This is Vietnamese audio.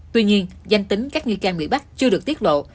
tuy nhiên danh tính các nghi can bị bắt chưa được tiết lộ